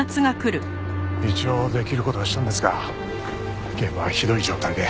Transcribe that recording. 一応できる事はしたんですが現場はひどい状態で。